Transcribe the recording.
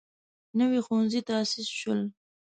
نوي ښوونځي تاسیس شول.